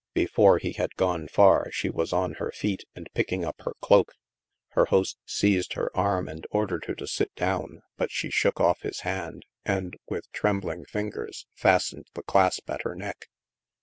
Before he had gone far, she was on her feet and picking up her cloak. Her host seized her i88 THE MASK arm and ordered her to sit down, but she shook off his hand and, with trembling fingers, fastened the clasp at her neck.